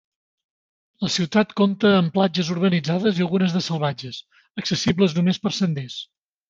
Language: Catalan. La ciutat compta amb platges urbanitzades i algunes de salvatges, accessibles només per senders.